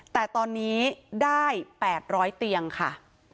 แต่ตอนนี้ได้แปดร้อยเตียงค่ะ